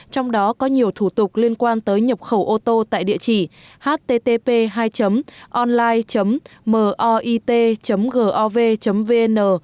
trong đó có nhiều thủ tục liên quan tới nhập khẩu ô tô tại địa chỉ http hai online mit gov vn